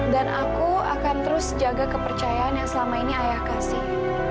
dan aku akan terus jaga kepercayaan yang selama ini ayah kasih